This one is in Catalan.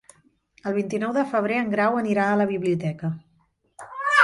El vint-i-nou de febrer en Grau anirà a la biblioteca.